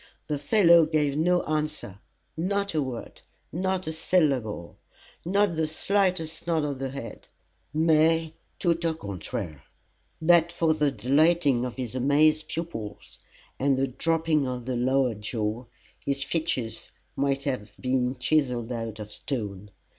The fellow gave no answer, not a word, not a syllable not the slightest nod of the head, mais, tout au contraire. But for the dilating of his amazed pupils, and the dropping of the lower jaw, his features might have been chiselled out of stone.